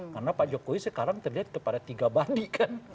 karena pak jokowi sekarang terlihat kepada tiga bandi kan